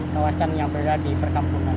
kawasan yang berada di perkampungan